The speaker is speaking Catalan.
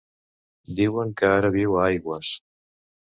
Diuen que ara viu a Aigües.